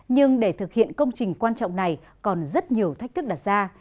nhưng để thực hiện công trình quan trọng này còn rất nhiều thách thức đặt ra